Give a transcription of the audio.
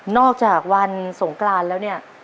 อกจากวันสงกรานแล้วเนี่ย